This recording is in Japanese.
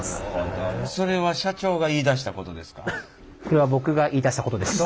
これは僕が言いだしたことです。